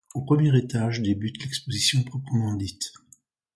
Au premier étage débute l'exposition proprement dite.